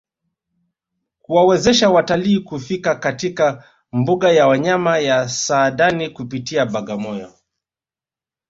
Kuwawezesha watalii kufika katika mbuga ya wanyama ya Saadani kupitia Bagamoyo